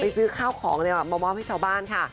ไปซื้อข้าวของเลยแบบมาบรอบให้กับชาวบ้านค่ะ